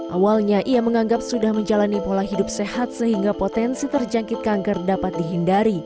awalnya ia menganggap sudah menjalani pola hidup sehat sehingga potensi terjangkit kanker dapat dihindari